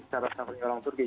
cara cara orang turki